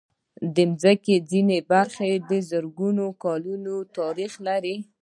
د مځکې ځینې برخې د زرګونو کلونو تاریخ لري.